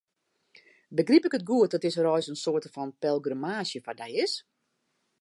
Begryp ik it goed dat dizze reis in soarte fan pelgrimaazje foar dy is?